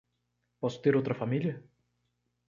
Posso ter outra família?